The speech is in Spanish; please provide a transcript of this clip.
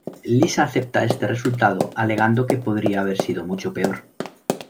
Lisa acepta este resultado, alegando que podría haber sido mucho peor.